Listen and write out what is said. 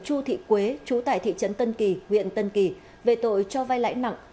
chu thị quế chú tại thị trấn tân kỳ huyện tân kỳ về tội cho vai lãi nặng